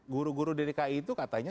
guru guru dari ki itu katanya